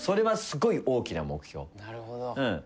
なるほど。